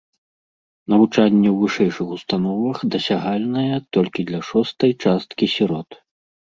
Навучанне ў вышэйшых установах дасягальнае толькі для шостай часткі сірот.